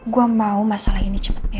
gue mau masalah ini cepet beres